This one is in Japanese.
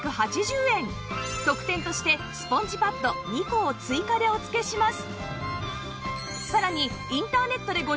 特典としてスポンジパッド２個を追加でお付けします